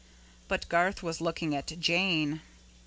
But Garth was looking at Jane.